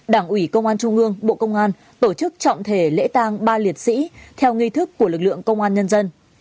đảng ủy công an trung ương bộ công an tổ chức trọng thể lễ tang ba liệt sĩ theo nghi thức của lực lượng công an nhân dân